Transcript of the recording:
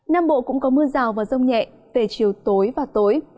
nam bộ cũng có mưa rào và rông nhẹ về chiều tối và tối